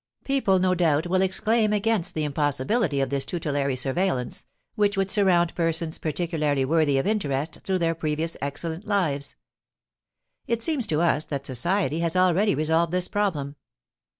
People, no doubt, will exclaim against the impossibility of this tutelary surveillance, which would surround persons particularly worthy of interest through their previous excellent lives. It seems to us that society has already resolved this problem.